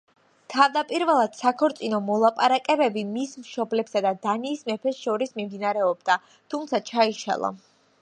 თავდაპირველად საქორწინო მოლაპარაკებები მის მშობლებსა და დანიის მეფეს შორის მიმდინარეობდა, თუმცა ჩაიშალა.